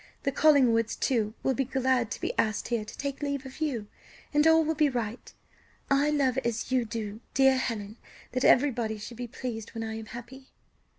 The Collingwoods, too, will be glad to be asked here to take leave of you, and all will be right; I love, as you do, dear Helen, that everybody should be pleased when I am happy."